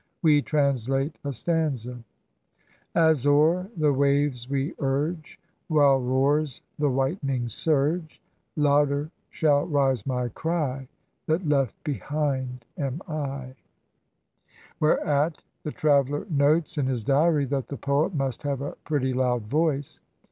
We translate a stanza :— "As o'er the waves we urge, While roars the whit'ning surge, Louder shall rise my cry That left behind am I, —" whereat the traveler notes in his diary that the poet must have a pretty loud voice.